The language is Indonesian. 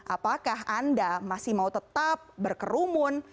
apakah anda masih mau tetap berkerumun